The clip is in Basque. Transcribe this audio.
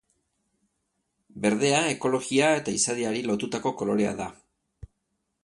Berdea ekologia eta izadiari lotutako kolorea da.